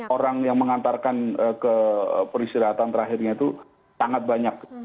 orang yang mengantarkan ke peristirahatan terakhirnya itu sangat banyak